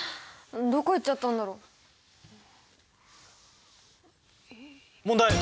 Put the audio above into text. どこ行っちゃったんだろう？問題！